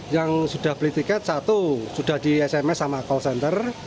yang sudah beli tiket satu sudah di sms sama call center